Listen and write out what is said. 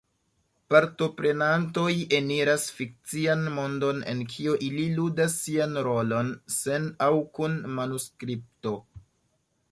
Partoprenantoj eniras fikcian mondon en kio ili ludas sian rolon, sen aŭ kun manuskripto.